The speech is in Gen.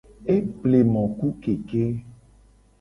Eple mo ku keke.